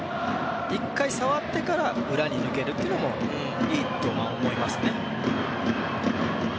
１回触ってから裏に抜けるというのもいいと思いますね。